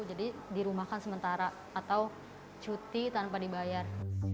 jadi dirumahkan sementara atau cuti tanpa dibayar